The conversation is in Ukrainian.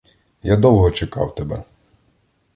Я довго чекав тебе.